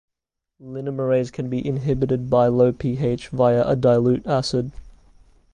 Linamarase can be inhibited by low pH via a dilute acid.